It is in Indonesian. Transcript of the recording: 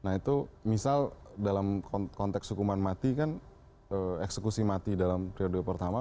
nah itu misal dalam konteks hukuman mati kan eksekusi mati dalam periode pertama